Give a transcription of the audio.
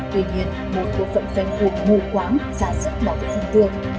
tuy nhiên một số phận phe cuộc ngu quáng giả sức bảo vệ thần tượng